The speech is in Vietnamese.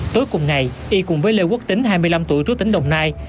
tối cùng ngày y cùng với lê quốc tính hai mươi năm tuổi trú tỉnh đồng nai